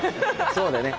そうだね。